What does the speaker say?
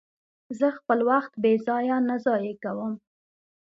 زه خپل وخت بې ځایه نه ضایع کوم.